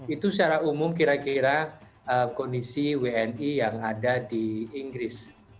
itu secara umum kira kira kondisi wni yang ada di inggris